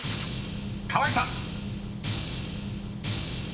河井さん］